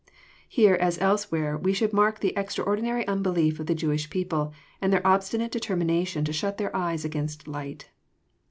"] Here, as elsewhere, we should mark the extraordinary unbelief of the Jewish people, and their obstinate determination to shut their eyes against light.